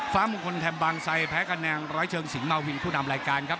มงคลแถมบางไซแพ้คะแนนร้อยเชิงสิงหมาวินผู้นำรายการครับ